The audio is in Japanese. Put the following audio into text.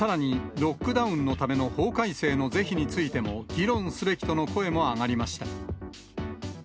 ロックダウンのための法改正の是非についても議論すべきとの声も上がりました。